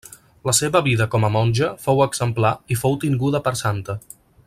La seva vida com a monja fou exemplar i fou tinguda per santa.